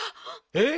えっ？